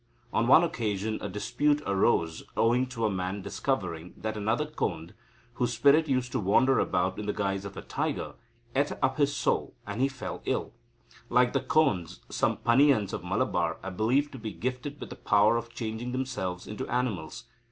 On one occasion, a dispute arose owing to a man discovering that another Kondh, whose spirit used to wander about in the guise of a tiger, ate up his soul, and he fell ill. Like the Kondhs, some Paniyans of Malabar are believed to be gifted with the power of changing themselves into animals.